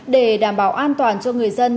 để đảm bảo an toàn cho người dân